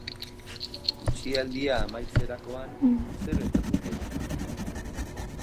Itxialdia amaitzerakoan zer gertatuko da?